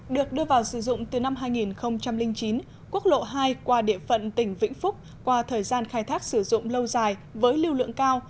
được đưa vào sử dụng từ năm hai nghìn chín quốc lộ hai qua địa phận tỉnh vĩnh phúc qua thời gian khai thác sử dụng lâu dài với lưu lượng cao